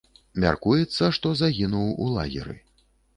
Мяркуецца, што загінуў у лагеры.